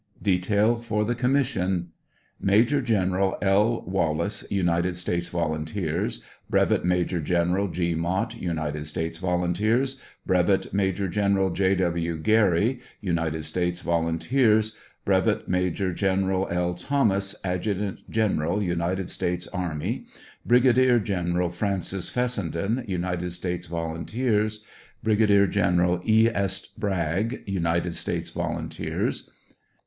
detail for the commission. Major General L. Wallace, United States volunteers. Brevet Major General G. Mott, United States volunteers. Brevet Major General J. W. Geary, United States volunteers. Brevet Major General L. Thomas, Adjutant General United States array. Brigadier General Francis Fessenden, United States volunteers. Brigadier General E. S. Bragg, United States volunteers.